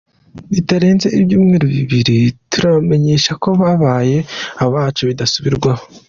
Bitarenze ibyumweru bibiri turabamenyesha ko babaye abacu bidasubirwaho.